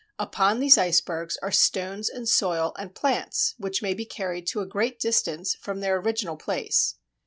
Upon these icebergs are stones and soil and plants which may be carried to a great distance from their original place.